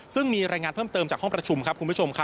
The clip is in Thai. ซึ่งมีรายงานเพิ่มเติมจากห้องประชุมครับคุณผู้ชมครับ